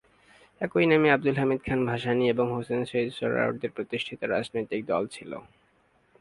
একই নামে আবদুল হামিদ খান ভাসানী এবং হোসেন শহীদ সোহরাওয়ার্দীর প্রতিষ্ঠিত রাজনৈতিক দল ছিল।